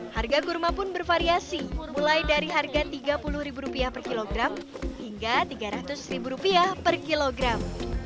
harga kurma pun bervariasi mulai dari harga rp tiga puluh per kilogram hingga rp tiga ratus per kilogram